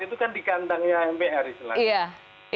itu kan di kandangnya mpr istilahnya